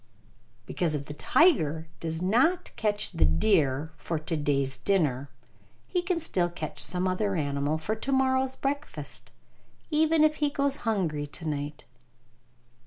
Because if the tiger does not catch the deer for to day's dinner, he can still catch some other animal for tomorrow's breakfast, even if he goes hungry to night.